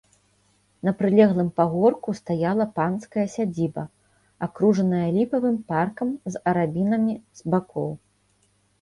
На прылеглым пагорку стаяла панская сядзіба, акружаная ліпавым паркам з арабінамі з бакоў.